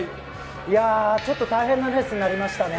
大変なレースになりましたね。